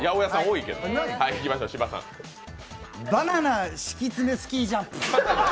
バナナ敷き詰めスキージャンプ。